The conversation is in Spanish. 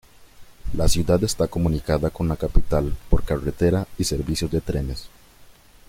La ciudad está comunicada con la capital por carretera y servicios de trenes.